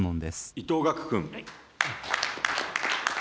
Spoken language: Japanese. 伊藤岳君。